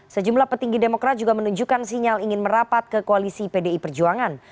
sejumlah petinggi demokrat juga menunjukkan sinyal ingin merapat ke koalisi pdi perjuangan